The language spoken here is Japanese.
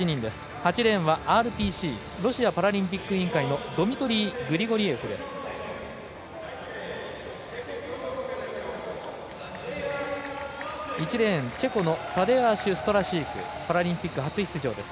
８レーンはＲＰＣ＝ロシアパラリンピック委員会のドミトリー・グリゴリエフです。